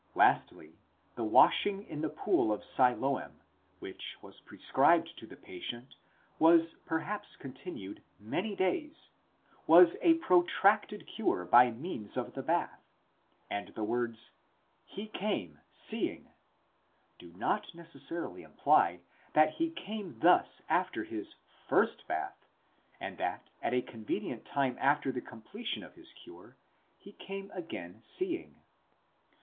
Lastly, the washing in the pool of Siloam which was prescribed to the patient was perhaps continued many days—was a protracted cure by means of the bath—and the words ἦλθε βλέπων he came secing, do not necessarily imply that he came thus after his first bath, but that at a convenient time after the completion of his cure, he came again seeing.